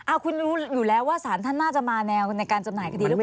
คุณรู้อยู่แล้วว่าสารท่านน่าจะมาแนวในการจำหน่ายคดีหรือเปล่า